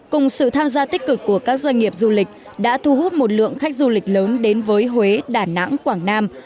cùng sự tham gia tích cực của các doanh nghiệp du lịch đã thu hút một lượng khách du lịch lớn đến với huế đà nẵng quảng nam